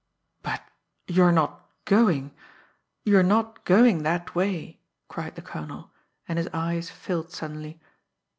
"But you're not going! You're not going that way!" cried the colonel, and his eyes filled suddenly.